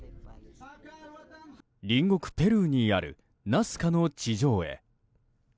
隣国ペルーにあるナスカの地上絵。